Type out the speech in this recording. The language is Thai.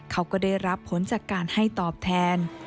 เขาก็ได้รับผลจากการให้ตอบแทน